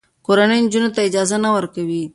کورنۍ نجونو ته اجازه نه ورکوي.